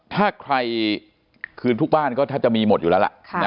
ถ้าใครคืนทุกบ้านก็แทบจะมีหมดอยู่แล้วล่ะ